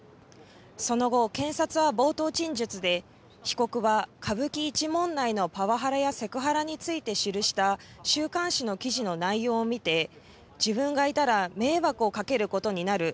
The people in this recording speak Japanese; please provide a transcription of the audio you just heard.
その後、検察は冒頭陳述で被告は歌舞伎一門内のパワハラやセクハラについて記した週刊誌の記事の内容を見て自分がいたら迷惑をかけることになる。